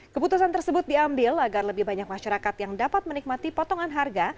keputusan tersebut diambil agar lebih banyak masyarakat yang dapat menikmati potongan harga